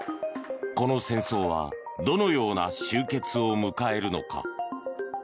この戦争はどのような終結を迎えるのか。